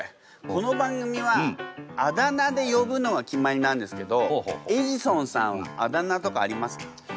この番組はあだ名でよぶのが決まりなんですけどエジソンさんはあだ名とかありますか？